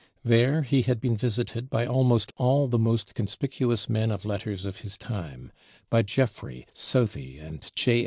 There he had been visited by almost all the most conspicuous men of letters of his time: by Jeffrey, Southey, and J.